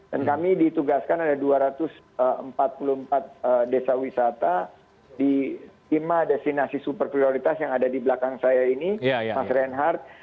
dan kami ditugaskan ada dua ratus empat puluh empat desa wisata di lima destinasi super prioritas yang ada di belakang saya ini mas renhat